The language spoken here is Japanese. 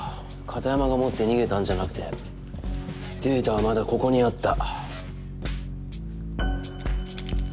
片山が持って逃げたんじゃなくてデータはまだここにあった。